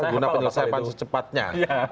guna penyelesaian secepatnya